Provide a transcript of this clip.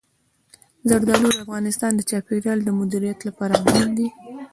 زردالو د افغانستان د چاپیریال د مدیریت لپاره مهم دي.